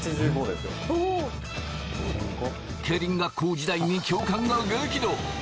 競輪学校時代に教官が激怒。